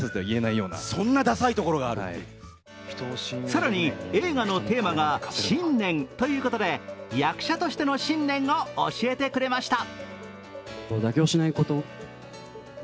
更に、映画のテーマが「信念」ということで役者としての信念を教えてくれました。